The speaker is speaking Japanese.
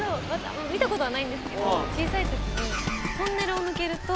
見たことはないんですけど小さいときに。